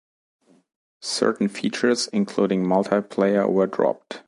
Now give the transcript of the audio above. Certain features, including multiplayer, were dropped.